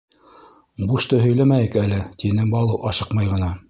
— Бушты һөйләмәйек әле, — тине Балу ашыҡмай ғына.